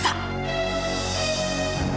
supaya dia tahu rasa